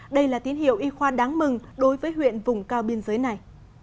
đây là tín hiệu y khoa đáng mừng đối với huyện vùng cao biên giới này